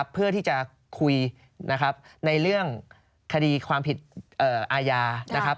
เพื่อที่จะคุยในเรื่องคดีความผิดอาญา